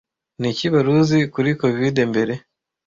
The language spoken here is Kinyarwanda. Niki waruzi kuri covide mbere?